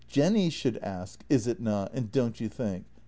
Jenny should ask, ' Is it not? ' and ' Don't you think?